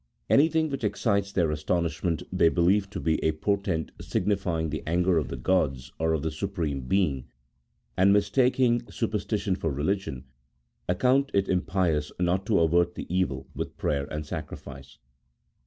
Anything which excites their astonishment they believe to be a portent signifying the anger of the gods or of the Supreme Being, and, mis taking superstition for religion, account it impious not to avert the evil with prayer and sacrifice.